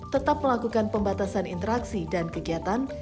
tetap melakukan pembatasan interaksi dan kegiatan